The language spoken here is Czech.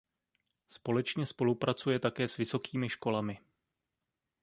Společnost spolupracuje také s vysokými školami.